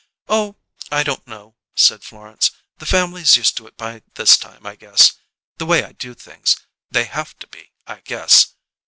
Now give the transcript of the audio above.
"Oh, I don't know," said Florence. "The family's used to it by this time, I guess. The way I do things, they haf to be, I guess.